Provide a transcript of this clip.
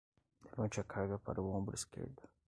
Levante a carga para o ombro esquerdo.